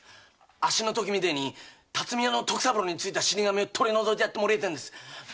あっしのときみてえに巽屋の徳三郎に憑いた死神を取り除いてもらいたいんです。